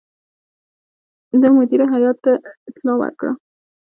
ده مدیره هیات ته اطلاع ورکړه.